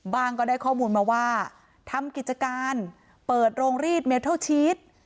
ก็ได้ข้อมูลมาว่าทำกิจการเปิดโรงรีดเมเทิลชีส